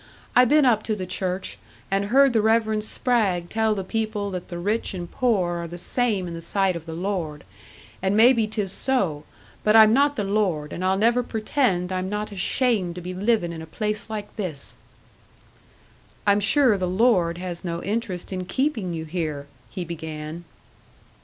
I been up to the church, and heard the Reverend Spragg tell the people that the rich and poor are the same in the sight of the Lord. And maybe 'tis so, but I'm not the Lord, and I'll never pretend I'm not ashamed to be livin' in a place like this." "I'm sure the Lord has no interest in keeping you here " he began.